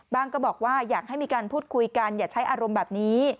ก็บอกว่าอยากให้มีการพูดคุยกันอย่าใช้อารมณ์แบบนี้